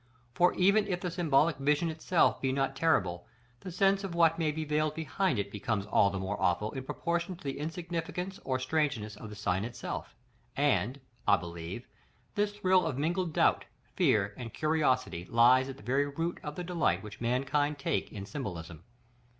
For even if the symbolic vision itself be not terrible, the sense of what may be veiled behind it becomes all the more awful in proportion to the insignificance or strangeness of the sign itself; and, I believe, this thrill of mingled doubt, fear, and curiosity lies at the very root of the delight which mankind take in symbolism.